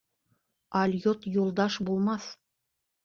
Алйот юлдаш булмаҫ